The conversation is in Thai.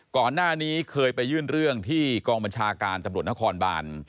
ก่อนหน้านี้เคยไปยื่นเรื่องที่กองบัญชาการตำรวจนครบาน